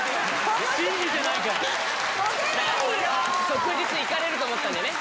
即日行かれると思ったんだよね。